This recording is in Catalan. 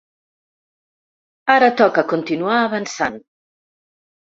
Ara toca continuar avançant!